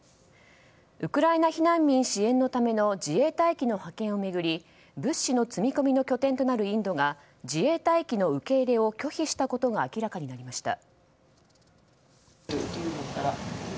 ウクライナ避難民支援のための自衛隊機の派遣を巡り物資の積み込みの拠点となるインドが自衛隊機の受け入れを拒否したことが明らかになりました。